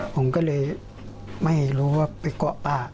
ผมก็เลยไม่รู้ว่าไปเกาะป้า